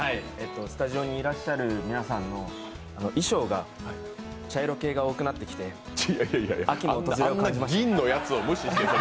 スタジオにいらっしゃる皆さんの衣装が、茶色系が多くなってきて秋の訪れを感じました。